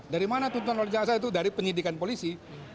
dari mana tuntutan oleh jaksa itu dari penyidikan polisi